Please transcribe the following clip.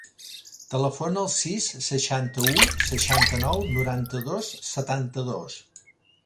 Telefona al sis, seixanta-u, seixanta-nou, noranta-dos, setanta-dos.